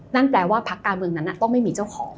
นั่นแปลว่าพักการเมืองนั้นต้องไม่มีเจ้าของ